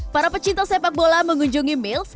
para pecinta sepak bola mengunjungi mills